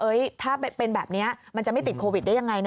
ถ้าเป็นแบบนี้มันจะไม่ติดโควิดได้ยังไงนะ